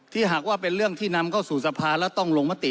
หากว่าเป็นเรื่องที่นำเข้าสู่สภาแล้วต้องลงมติ